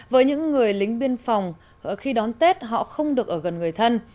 với những người lính biên phòng khi đón tết họ không được ở gần người thân